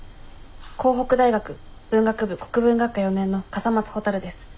甲北大学文学部国文学科４年の笠松ほたるです。